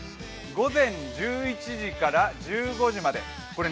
午前１１時から１５時まで。